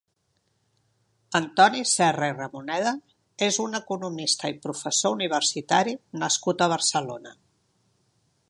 Antoni Serra i Ramoneda és un economista i professor universitari nascut a Barcelona.